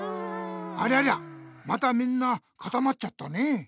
ありゃりゃまたみんなかたまっちゃったね。